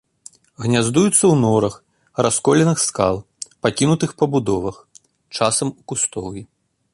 Гняздуюцца ў норах, расколінах скал, пакінутых пабудовах, часам у кустоўі.